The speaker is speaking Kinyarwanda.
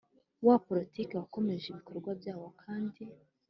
Wa politiki wakomeje ibikorwa byawo kandi